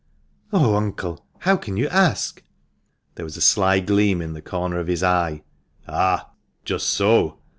"Oh, uncle! How can you ask?" There was a sly gleam in the corner of his eye. "Ah! just so.